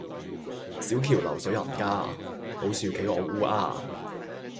小橋流水人家，老樹企鵝烏鴉